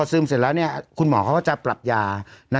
พอซึมเสร็จแล้วเนี้ยคุณหมอเขาก็จะปรับยานะฮะ